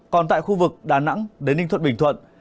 còn tại khu vực đà nẵng đến ninh thuận bình thuận